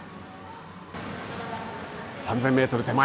３０００メートル手前。